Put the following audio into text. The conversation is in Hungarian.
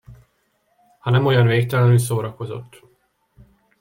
Ha nem olyan végtelenül szórakozott.